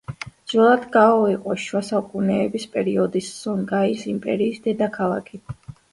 ძველად გაო იყო შუა საუკუნეების პერიოდის სონგაის იმპერიის დედაქალაქი.